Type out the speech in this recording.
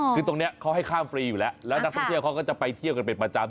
คือตรงนี้เขาให้ข้ามฟรีอยู่แล้วแล้วนักท่องเที่ยวเขาก็จะไปเที่ยวกันเป็นประจำ